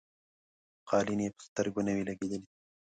قالیني په سترګو نه وې لیدلي.